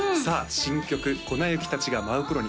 新曲「粉雪たちが舞う頃に」